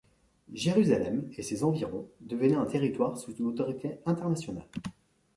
Jérusalem et ses environs devenaient un territoire sous autorité internationale.